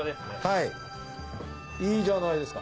はいいいじゃないですか。